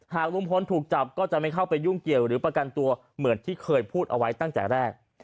ลุงพลถูกจับก็จะไม่เข้าไปยุ่งเกี่ยวหรือประกันตัวเหมือนที่เคยพูดเอาไว้ตั้งแต่แรก